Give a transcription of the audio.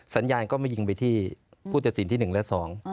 สัญญาณก็ไม่ยิงไปที่ผู้ตัดสินที่๑และ๒